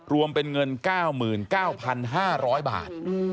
รวมเป็นเงิน๙๙๕๐๐บาท